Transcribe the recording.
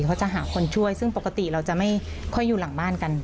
เขาจะหาคนช่วยซึ่งปกติเราจะไม่ค่อยอยู่หลังบ้านกัน